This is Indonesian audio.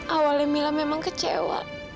awalnya mila memang kecewa